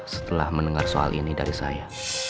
setelah mendengar soal ini dari saya